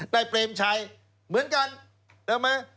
ได้เตรียมใช้เหมือนกันเดี๋ยวไหม